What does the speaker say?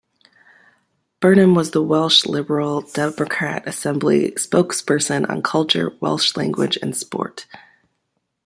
Burnham was the Welsh Liberal Democrat Assembly spokesperson on Culture, Welsh Language and Sport.